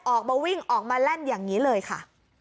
ออกมาวิ่งออกมาแล่นอย่างนี้เลยค่ะ